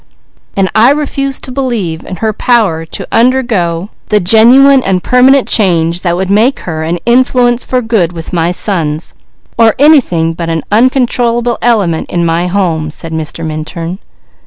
"And I refuse to believe in her power to undergo the genuine and permanent change that would make her an influence for good with her sons, or anything but an uncontrollable element in my home," said Mr. Minturn.